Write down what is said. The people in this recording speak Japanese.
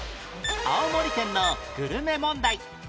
青森県のグルメ問題